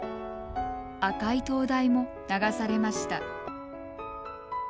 赤い灯台も流されました。